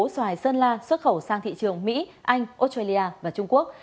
xoài sơn la xuất khẩu sang thị trường mỹ anh australia và trung quốc